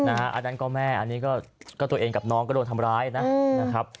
อันนั้นก็แม่อันนี้ก็ตัวเองกับน้องก็โดนทำร้ายนะครับ